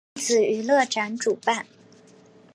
电子娱乐展主办。